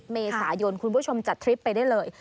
เมษายนคุณผู้ชมจัดทริปไปได้เลย